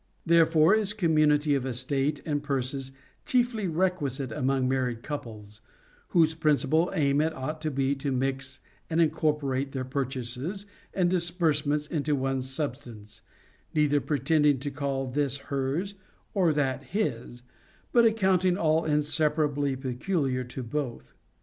Therefore is community of estate and purses chiefly requisite among married couples, whose principal aim it ought to be to mix and incorporate their purchases and disbursements into one substance, neither pretending to call this hers or that his, but accounting all inseparably peculiar to both.